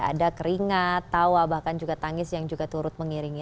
ada keringat tawa bahkan juga tangis yang juga turut mengiringi